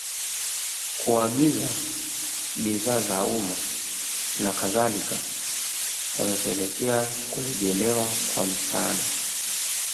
Kuagiza bidhaa za umma na kadhalika yamepelekea kurejelewa kwa misaada